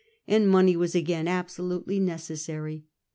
171 and money was again absolutely necessary.